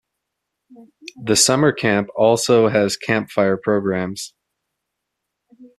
The summer camp also has campfire programs.